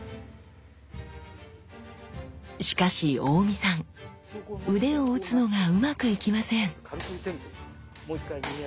しかし大見さん腕を打つのがうまくいきません。